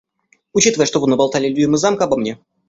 Учитывая, что вы наболтали людям из Замка обо мне.